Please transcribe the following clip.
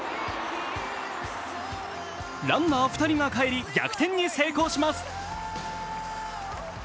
ランナー２人が帰り逆転に成功します。